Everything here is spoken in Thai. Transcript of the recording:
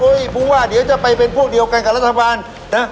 ผู้ว่าเดี๋ยวจะไปเป็นพวกเดียวกันกับรัฐบาลนะ